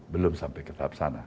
belum sampai ke tahap sana